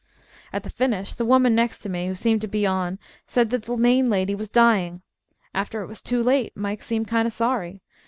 At the finish, the woman next to me, who seemed to be on, said that the main lady was dying. After it was too late, Mike seemed kind of sorry.